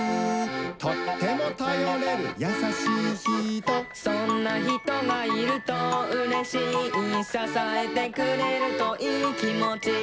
「とってもたよれるやさしいひと」「そんなひとがいるとうれしい」「ささえてくれるといいきもち」